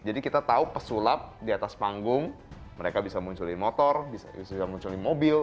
jadi kita tahu pesulap di atas panggung mereka bisa munculin motor bisa munculin mobil